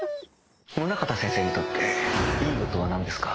宗方先生にとってインドとはなんですか？